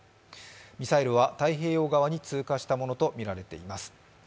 ミサイルは太平洋側に通過したものとみられています。